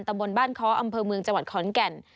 บนบ้านค้ออำเภอเมืองจังหวัดขอนแก่น